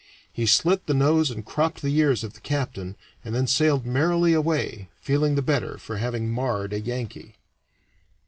He slit the nose and cropped the ears of the captain, and then sailed merrily away, feeling the better for having marred a Yankee.